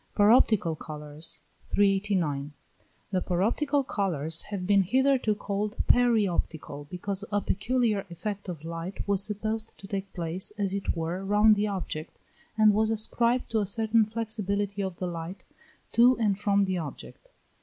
PAROPTICAL COLOURS. 389. The paroptical colours have been hitherto called peri optical, because a peculiar effect of light was supposed to take place as it were round the object, and was ascribed to a certain flexibility of the light to and from the object.